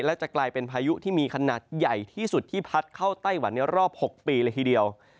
และจะกลายเป็นพายุที่มีขนาดใหญ่ที่สุดที่พัดเข้าไต้หวันในรอบ๖ปีเลยทีเดียว